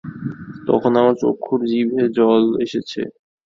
তখন আমার চক্ষুর জিভে জল এসেছে।